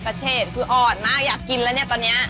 กาเชศอดมากอยากกินแล้วเนี่ยตอนนี้